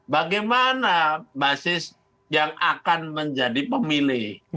bagaimana basis yang akan menjadi pemilih